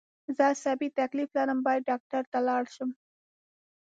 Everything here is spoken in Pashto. زه عصابي تکلیف لرم باید ډاکټر ته لاړ شم